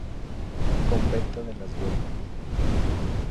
Convento de las Dueñas